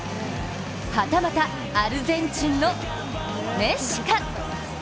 はたまたアルゼンチンのメッシか？